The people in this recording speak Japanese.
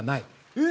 ◆えっ！？